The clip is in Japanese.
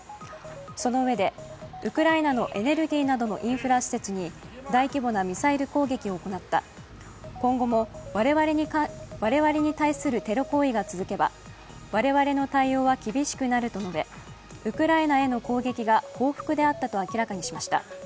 そのうえで、ウクライナのエネルギーなどのインフラ施設に大規模なミサイル攻撃を行った、今後も我々に対するテロ行為が続けば我々の対応は厳しくなると述べウクライナへの攻撃が報復であったと明らかにしました。